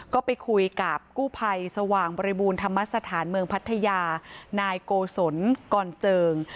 ก็ไปคุยกับกู้ภัยสว่างบริบูรณธรรมสถานเมืองพัทยานายโกศลกรเจิง